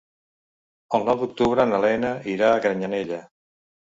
El nou d'octubre na Lena irà a Granyanella.